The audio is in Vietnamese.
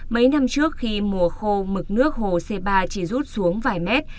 mấy năm trước khi mùa khô mực nước hồ c ba chỉ rút xuống vài mét